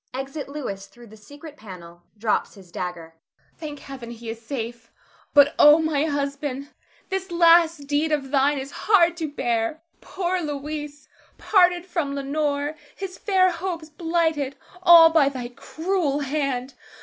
[Exit Louis through the secret panel; drops his dagger. Theresa. Thank Heaven, he is safe! but oh, my husband, this last deed of thine is hard to bear. Poor Louis, parted from Leonore, his fair hopes blighted, all by thy cruel hand.